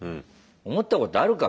思ったことあるか？